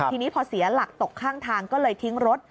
ทีนี้พอเสียหลักตกข้างทางก็เลยทิ้งรถ